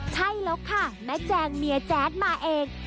ใช่แล้วค่ะแม่แจงเมียแจ๊ดมาเอง